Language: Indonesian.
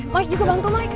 mike yuk bantu mike